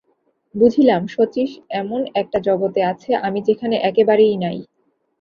বুঝিলাম, শচীশ এমন-একটা জগতে আছে আমি যেখানে একেবারেই নাই।